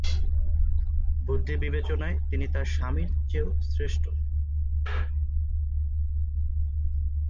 বুদ্ধিবিবেচনায় তিনি তাঁর স্বামীর চেয়ে শ্রেষ্ঠ।